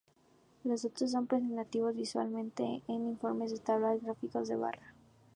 Los datos son presentados visualmente en informes de tablas y gráficos de barra.